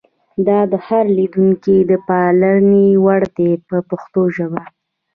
دا د هر لیدونکي د پاملرنې وړ دي په پښتو ژبه.